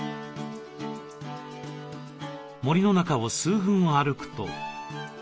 森の中を数分歩くと。